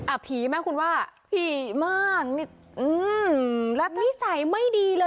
อ่ะผีมั้ยคุณว่าผีมากอืมแล้วนิสัยไม่ดีเลย